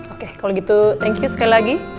oke kalau gitu thank you sekali lagi